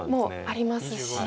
ありますし。